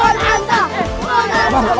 konanta konanta konanta konanta